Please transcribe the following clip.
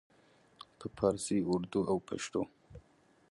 په پارسي، اردو او پښتو